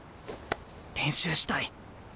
練習したい。